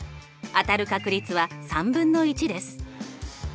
当たる確率は３分の１です。